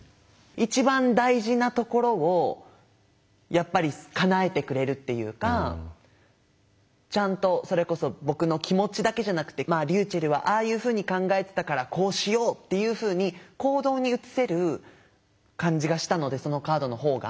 一番大事なところをやっぱりかなえてくれるっていうかちゃんとそれこそ僕の気持ちだけじゃなくてりゅうちぇるはああいうふうに考えてたからこうしようっていうふうに行動に移せる感じがしたのでそのカードの方が。